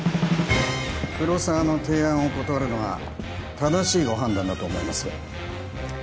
黒沢の提案を断るのは正しいご判断だと思います